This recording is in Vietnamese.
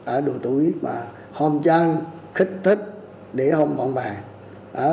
ở đôi túi mà hôm trang khích thích để không bọn bà